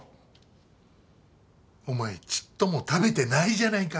お前ちっとも食べてないじゃないか。